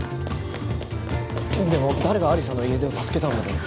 でも誰が有沙の家出を助けたんだろう？